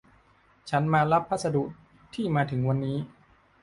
ฉันมารับพัสดุที่มาถึงวันนี้